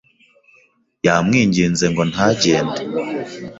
Yamwinginze ngo ntagende.